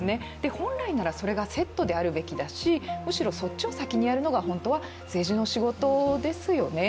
本来ならそれがセットであるべきだし、むしろそっちを先にやるのが本当は政治の仕事ですよね。